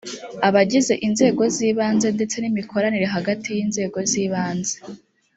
abagize inzego z ibanze ndetse n imikoranire hagati y inzego z ibanze